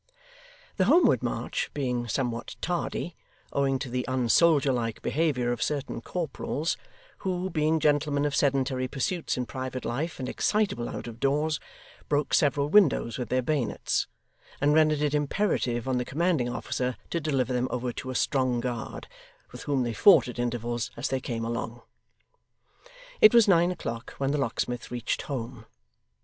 The homeward march being somewhat tardy, owing to the un soldierlike behaviour of certain corporals, who, being gentlemen of sedentary pursuits in private life and excitable out of doors, broke several windows with their bayonets, and rendered it imperative on the commanding officer to deliver them over to a strong guard, with whom they fought at intervals as they came along, it was nine o'clock when the locksmith reached home.